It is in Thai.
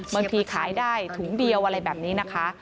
บางทีขายได้ถุงเดียวอะไรแบบนี้นะคะ